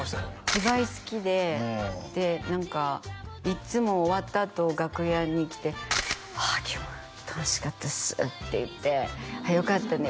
芝居好きでで何かいつも終わったあと楽屋に来て「ああ今日も楽しかったっす」って言って「よかったね」